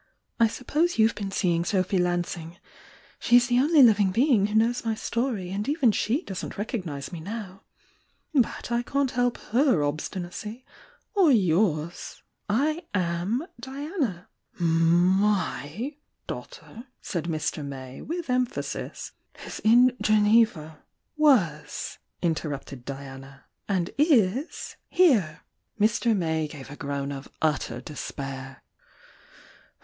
I suppose you ve been seeing SoDhy Lansing— she's the only livmg bemg who knows my story and even she doesn't recognise me now. But I can't help her obstinacy, or yours! 1 ""^'SlTdaughter," _said Mr. May, with emphasia "is in Geneva ",,» j • k»,oi" "Was," interrupted Diana. "And w here! Mr. May gave a groan of utter despair.